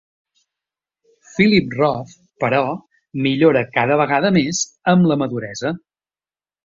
Philip Roth, però, millora cada vegada més amb la maduresa.